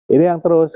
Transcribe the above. ini yang penting